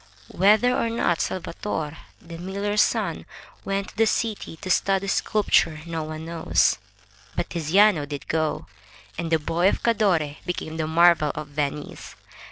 Whether or not Salvator, the miller's son, went to the city to study sculpture, no one knows. But Tiziano did go, and the boy of Cadore became the marvel of Venice.